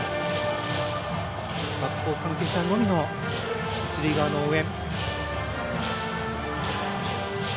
学校関係者のみの一塁側の応援。